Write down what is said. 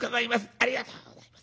ありがとうございます」。